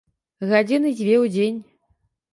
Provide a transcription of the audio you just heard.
Гадзіны дзве ў дзень.